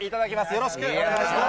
よろしくお願いします。